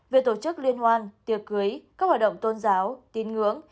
việc tổ chức liên hoan tiệc cưới các hoạt động tôn giáo tin ngưỡng